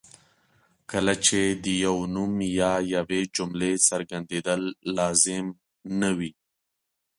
کله چې د یو نوم یا یوې جملې څرګندېدل لازم نه وي.